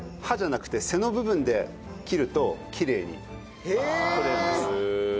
刃じゃなくて背の部分で切るときれいに取れるんです。